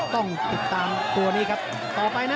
ต้องติดตามตัวนี้ครับต่อไปนะ